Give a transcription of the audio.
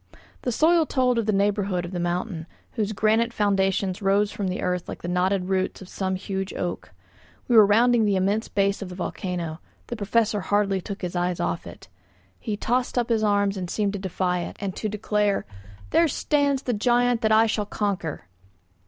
The soil told of the neighbourhood of the mountain, whose granite foundations rose from the earth like the knotted roots of some huge oak. We were rounding the immense base of the volcano. The Professor hardly took his eyes off it. He tossed up his arms and seemed to defy it, and to declare, "There stands the giant that I shall conquer."